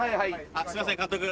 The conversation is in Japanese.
すいません監督。